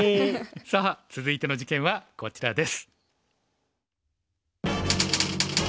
さあ続いて事件はこちらです。